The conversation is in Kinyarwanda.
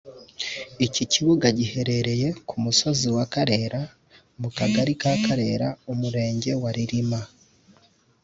Iki kibuga giherereye ku musozi wa Karera mu mu kagari ka Karera Umurenge wa Ririma